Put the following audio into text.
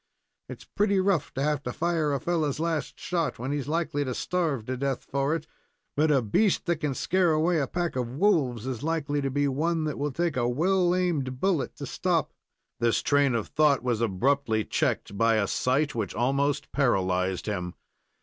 "It's pretty rough to have to fire a fellow's last shot, when he's likely to starve to death for it; but a beast that can scare away a pack of wolves is likely to be one that will take a well aimed bullet to stop " This train of thought was abruptly checked by a sight which almost paralyzed him.